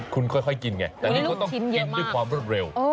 คุณค่อยกินไงแต่นี่เขาต้องกินด้วยความรวดเร็ว